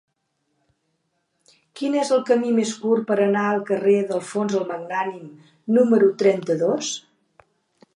Quin és el camí més curt per anar al carrer d'Alfons el Magnànim número trenta-dos?